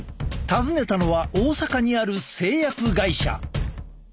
訪ねたのは大阪にある製薬会社。